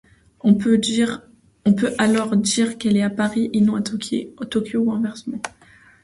On peut alors dire qu'elle est à Paris et non à Tokyo, ou inversement.